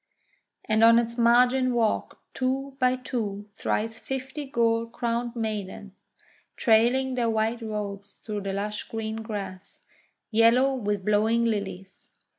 And on its margin walked two by two thrice fifty gold crowned maidens, trailing their white robes through the lush green grass, yellow with blowing Lilies.